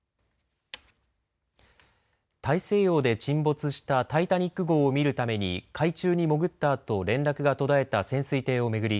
大西洋で沈没したタイタニック号を見るために海中に潜ったあと連絡が途絶えた潜水艇を巡り